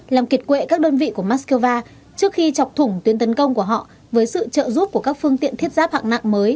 làm kiệt quệ các đơn vị của moscow trước khi chọc thủng tuyến tấn công của họ với sự trợ giúp của các phương tiện thiết giáp hạng nặng mới